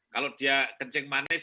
kalau dia kencing manis